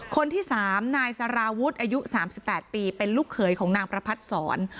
คนที่๓นายสารวุฒิอายุ๓๘ปีเป็นลูกเขยของนางประพัดศร